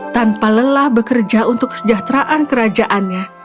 tanpa lelah bekerja untuk kesejahteraan kerajaannya